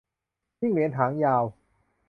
จิ้งเหลนหางยาว